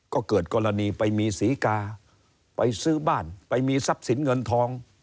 ก็เกิดกรณีไปมีศรีกาไปซื้อบ้านไปมีทรัพย์สินเงินทอง